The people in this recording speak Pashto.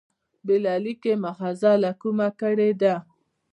بېله لیکلي مأخذه له کومه کړي دي.